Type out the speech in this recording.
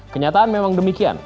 kenyataan memang demikian